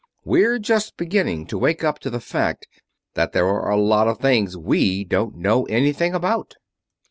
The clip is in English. "We're just beginning to wake up to the fact that there are a lot of things we don't know anything about.